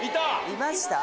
いました。